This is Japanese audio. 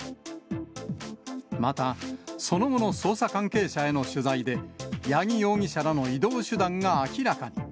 またその後の捜査関係者への取材で、八木容疑者らの移動手段が明らかに。